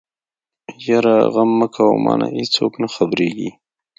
يره غم مکوه مانه ايڅوک نه خبرېږي.